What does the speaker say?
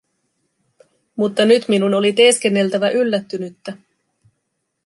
Mutta nyt minun oli teeskenneltävä yllättynyttä.